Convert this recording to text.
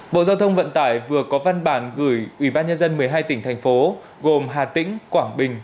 bộ giao thông vận tải vừa có văn bản gửi ủy ban nhân dân một mươi hai tỉnh thành phố gồm hà tĩnh quảng bình